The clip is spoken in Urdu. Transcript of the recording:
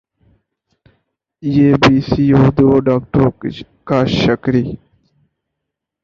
ی بی سی اردو اور ڈاکٹروں کا شکری